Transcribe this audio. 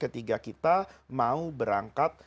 jika kita mau berangkat